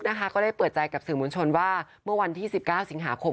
ก็ได้เปิดใจกับสื่อมวลชนว่าเมื่อวันที่๑๙สิงหาคม